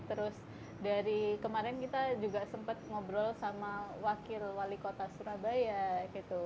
terus dari kemarin kita juga sempat ngobrol sama wakil wali kota surabaya gitu